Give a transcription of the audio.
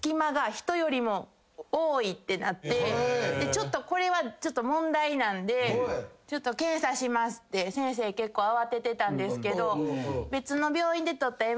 ちょっとこれは問題なんで検査しますって先生結構慌ててたんですけど。